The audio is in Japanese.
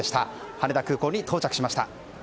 羽田空港に到着しました。